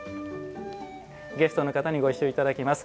ゲストの方にご一緒いただきます。